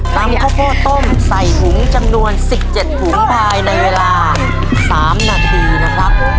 นำข้าวโพดต้มใส่ถุงจำนวน๑๗ถุงภายในเวลา๓นาทีนะครับ